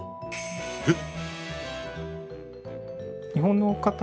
えっ？